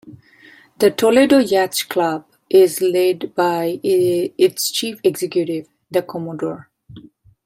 The Toledo Yacht Club is led by its chief executive, the Commodore.